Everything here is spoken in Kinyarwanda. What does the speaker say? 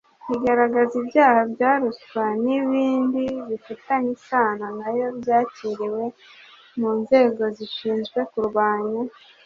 igaragaza ibyaha bya ruswa n ibindi bifitanye isano nayo byakiriwe mu nzego zishinzwe kurwanya